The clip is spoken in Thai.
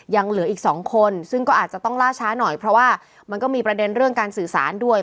ยังเหลืออีก๒คนซึ่งก็อาจจะต้องล่าช้าหน่อยเพราะว่ามันก็มีประเด็นเรื่องการสื่อสารด้วย